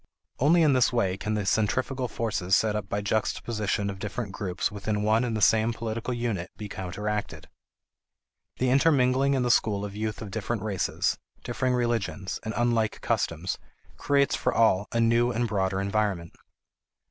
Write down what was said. Only in this way can the centrifugal forces set up by juxtaposition of different groups within one and the same political unit be counteracted. The intermingling in the school of youth of different races, differing religions, and unlike customs creates for all a new and broader environment.